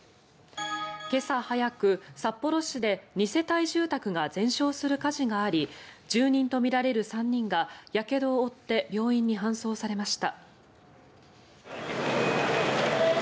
今朝早く、札幌市で２世帯住宅が全焼する火事があり住人とみられる３人がやけどを負って病院に搬送されました。